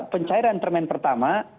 pencairan termen pertama